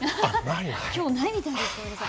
今日はないみたいです。